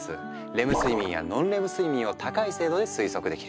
レム睡眠やノンレム睡眠を高い精度で推測できる。